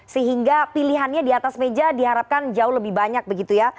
sehingga pilihannya di atas meja diharapkan jauh lebih banyak begitu ya